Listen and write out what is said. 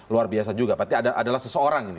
luar biasa juga berarti adalah seseorang ini